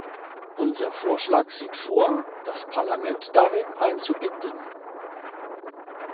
Unser Vorschlag sieht vor, das Parlament darin einzubinden.